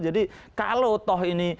jadi kalau toh ini